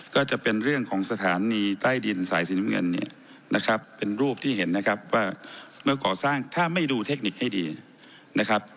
ก็จะเป็นเรื่องของสถานีใต้ดินสายสีน้ำเงินเนี่ยนะครับเป็นรูปที่เห็นนะครับว่าเมื่อก่อสร้างถ้าไม่ดูเทคนิคให้ดีนะครับ